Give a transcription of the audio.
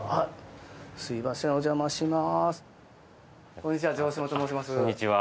こんにちは城島と申します。